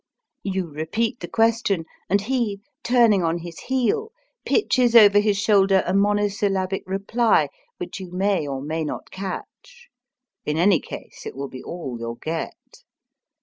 You repeat the question, and he, turning on his heel, pitches over his shoulder a mono syllabic reply, which you may or may not catch. In any case, it will be all you'll get.